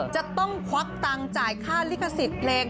จะต้องควักตังค์จ่ายค่าลิขสิทธิ์เพลง